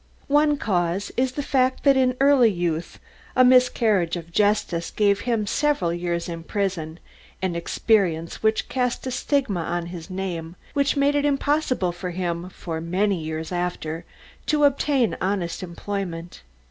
One cause is the fact that in early youth a miscarriage of justice gave him several years in prison, an experience which cast a stigma on his name and which made it impossible for him, for many years after, to obtain honest employment.